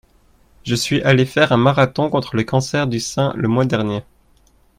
Je suis allé faire un marathon contre le cancer du sein le mois dernier.